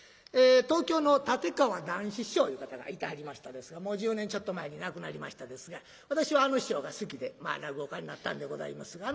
東京の立川談志師匠いう方がいてはりましたですがもう十年ちょっと前に亡くなりましたですが私はあの師匠が好きで落語家になったんでございますが。